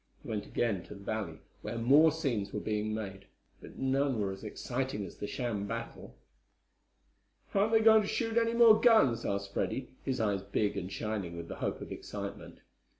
They went again to the valley, where more scenes were being made, but none were as exciting as the sham battle. "Aren't they going to shoot any more guns?" asked Freddie, his eyes big and shining with the hope of excitement.